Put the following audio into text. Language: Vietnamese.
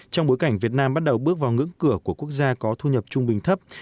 trong bối cảnh việt nam bắt đầu bước vào ngưỡng cửa của quốc gia có thu nhập trung bình thấp